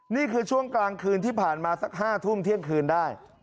นี่คือช่วงกลางคืนที่ผ่านมาสัก๕ทุ่มเที่ยงคืนได้